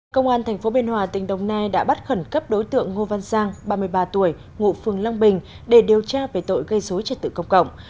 công an tp biên hòa tỉnh đồng nai đã bắt khẩn cấp đối tượng ngô văn giang ba mươi ba tuổi ngụ phường long bình để điều tra về tội gây dối trật tự công cộng